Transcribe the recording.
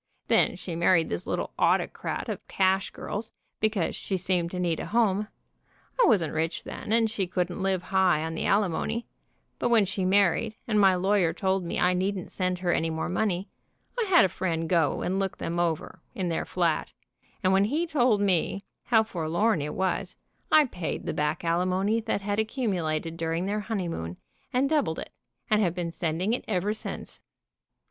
Then she married this little autocrat of cash girls, because she seemed to need a home. I wasn't rich then, and she couldn't live high on the alimony, but when she married and my lawyer told me I needn't send her any more money, I had a friend go and look them over, in their flat, and when he told me how forlorn it was, I paid the back alimony that had accumulated during their honeymoon, and doubled it, and have been sending it ever since.